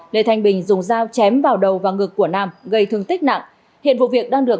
lê thanh bình dùng dao chém vào đầu và ngực của nam gây thương tích nặng hiện vụ việc đang được